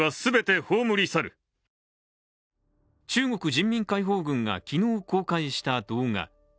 中国人民解放軍が昨日公開した動画。